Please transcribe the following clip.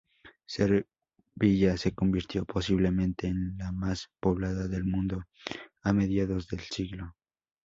Sevilla se convirtió posiblemente en la más poblada del mundo a mediados de siglo.